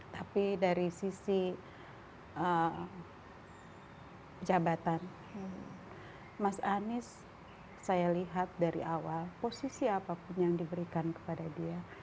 tapi dari sisi jabatan mas anies saya lihat dari awal posisi apapun yang diberikan kepada dia